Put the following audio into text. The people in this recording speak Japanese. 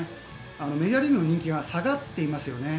メジャーリーグの人気が下がっていますよね。